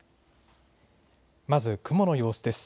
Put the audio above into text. まず雲の様子です。